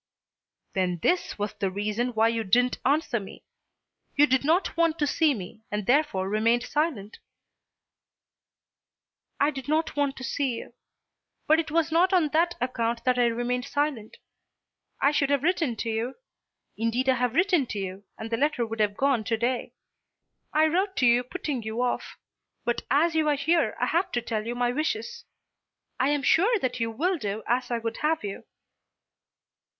"Then this was the reason why you didn't answer me. You did not want to see me, and therefore remained silent." "I did not want to see you. But it was not on that account that I remained silent. I should have written to you. Indeed I have written to you, and the letter would have gone to day. I wrote to you putting you off. But as you are here I have to tell you my wishes. I am sure that you will do as I would have you."